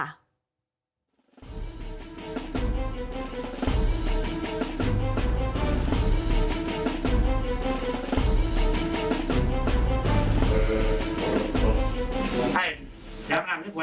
ไอ้เดี๋ยวมาอาบญี่ปุ่นด้วย